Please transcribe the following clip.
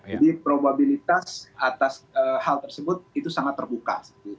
jadi probabilitas atas hal tersebut itu sangat terbuka